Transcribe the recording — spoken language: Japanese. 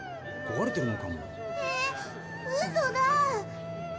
こわれてるのかも。